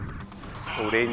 それに。